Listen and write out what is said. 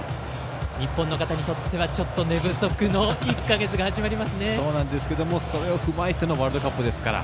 日本の方にとってはちょっと寝不足の１か月がそうなんですけどもそれを踏まえてのワールドカップですから。